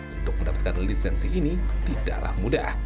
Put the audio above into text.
untuk mendapatkan lisensi ini tidaklah mudah